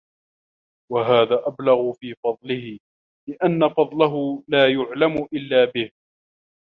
وَهَذَا أَبْلَغُ فِي فَضْلِهِ ؛ لِأَنَّ فَضْلَهُ لَا يُعْلَمُ إلَّا بِهِ